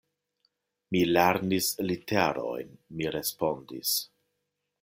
Mi lernis literojn, mi respondis.